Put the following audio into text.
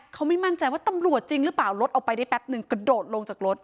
เขาไม่มั่นใจว่าตำรวจจริงหรือเปล่ารถออกไปได้แป๊บนึงกระโดดลงจากรถ